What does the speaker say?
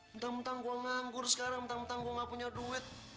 entah entah gue nganggur sekarang entah entah gue gak punya duit